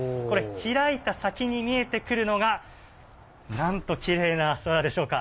開いた先に見えるのは、なんときれいな空でしょうか。